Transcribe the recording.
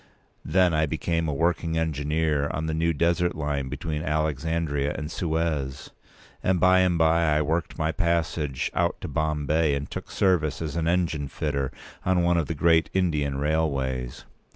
Then I became a working engineer on the new desert line between Alexandria and Suez; and by and by I worked my passage out to Bombay, and took service as an engine fitter on one of the great Indian railways.